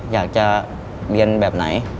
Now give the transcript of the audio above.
อยากจะเรียนแบบไหน